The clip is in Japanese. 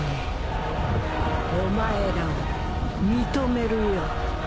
お前らを認めるよ。